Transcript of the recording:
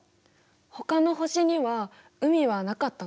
ほかの星には海はなかったの？